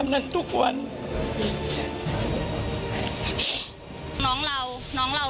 ดีกว่าจะได้ตัวคนร้าย